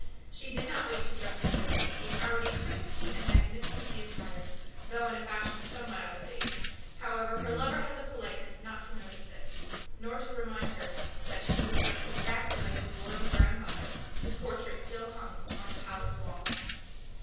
She did not wait to dress for dinner, being already perfectly and magnificently attired, though in a fashion somewhat out of date. However, her lover had the politeness not to notice this, nor to remind her that she was dressed exactly like his grandmother whose portrait still hung on the palace walls.